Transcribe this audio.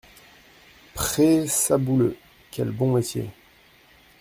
Prrré Sabouleux ! quel bon métier !